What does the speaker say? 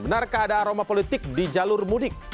benarkah ada aroma politik di jalur mudik